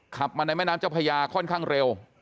ขับมาในแม่น้ำเจ้าพญาค่อนข้างเร็ว